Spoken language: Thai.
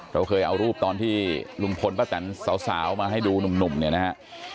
เราเคยเอารูปตอนที่ลุงพลป้าแตนสาวมาให้ดูหนุ่มเนี่ยนะฮะ